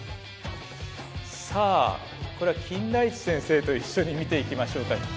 さあこれは金田一先生と一緒に見ていきましょうか。